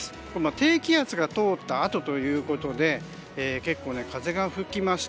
低気圧が通ったあとということで結構風が吹きます。